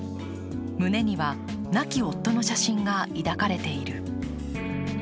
胸には亡き夫の写真が抱かれている。